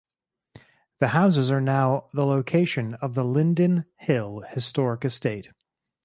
The houses are now the location of the Linden Hill Historic Estate.